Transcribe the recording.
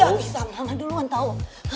gak bisa mama duluan tau